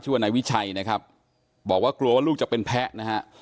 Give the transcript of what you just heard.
ว่านายวิชัยนะครับบอกว่ากลัวว่าลูกจะเป็นแพ้นะฮะ